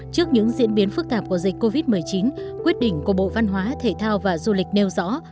trước những diễn biến phức tạp của dịch covid một mươi chín quyết định của bộ văn hóa thể thao và du lịch nêu rõ